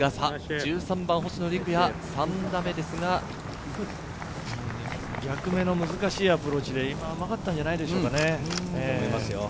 １３番、星野陸也、３打目ですが、逆目の難しいアプローチ、甘かったんじゃないでしょうか。